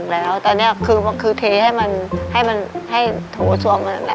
แต่นี่คือเทให้มันแล้ว